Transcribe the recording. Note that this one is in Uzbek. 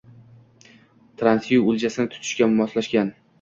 Tanasiyu o’ljasini tutishga moslashgan.